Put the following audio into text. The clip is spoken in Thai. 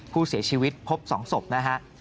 ผู้เสียชีวิตพบ๒ศพนะฮะ